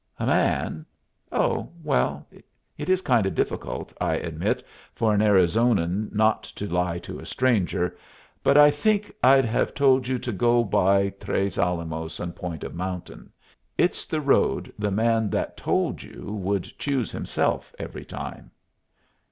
"A man? Oh. Well, it is kind o' difficult, I admit, for an Arizonan not to lie to a stranger. But I think I'd have told you to go by Tres Alamos and Point of Mountain. It's the road the man that told you would choose himself every time.